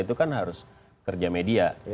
itu kan harus kerja media